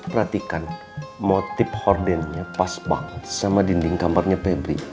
perhatikan motif hordennya pas banget sama dinding kamarnya pebri